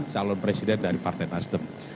calon presiden dari partai nasdem